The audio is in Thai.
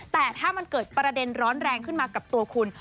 แต่ถ้ามันเกิดประเด็นร้อนแรงขึ้นมากับตัวคุณ